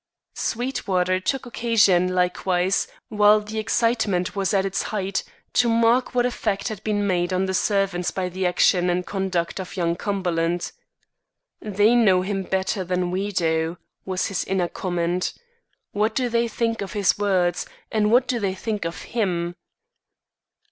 Sweetwater took occasion, likewise, while the excitement was at its height, to mark what effect had been made on the servants by the action and conduct of young Cumberland. "They know him better than we do," was his inner comment; "what do they think of his words, and what do they think of him?"